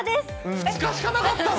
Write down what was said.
２日しかなかったの？